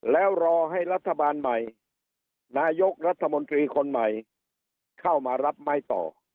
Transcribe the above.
แล้วรอให้รัฐบาลใหม่นายกรัฐมนตรีคนใหม่เข้ามารับไม้ต่อ